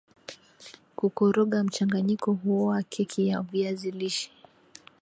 kukoroga mchanganyiko huowa keki ya viazi lishe